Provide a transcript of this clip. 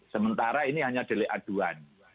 sementara ini hanya delik aduan